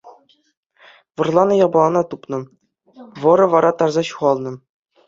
Вӑрланӑ япалана тупнӑ, вӑрӑ вара тарса ҫухалнӑ.